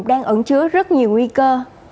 đang ẩn chứa rất nhiều nguy cơ